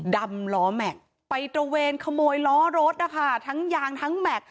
ดำล้อแม็กซ์ไปตระเวนขโมยล้อรถนะคะทั้งยางทั้งแม็กซ